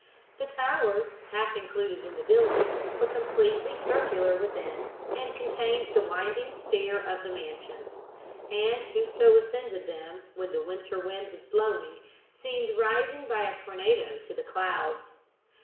"The towers, half included in the building, were completely circular within, and contained the winding stair of the mansion; and whoso ascended them, when the winter wind was blowing, seemed rising by a tornado to the clouds.